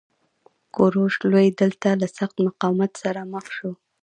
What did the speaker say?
کوروش لوی دلته له سخت مقاومت سره مخ شو